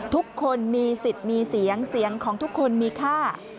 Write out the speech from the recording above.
ทุกคนมีสิทธิ์มีเสียงเสียงของทุกคนมีค่า